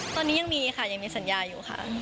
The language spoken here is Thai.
ตอนนี้ยังมีค่ะยังมีสัญญาอยู่ค่ะ